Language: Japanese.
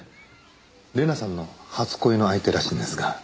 玲奈さんの初恋の相手らしいんですが。